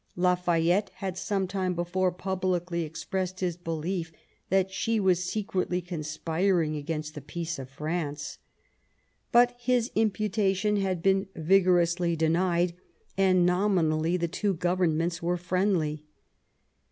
Lafayette had some time before publicly expressed bis belief that she was secretly conspiring against the peace of France. Bat his imputation had been vigorously denied, and nomi nally the two governments were friendly.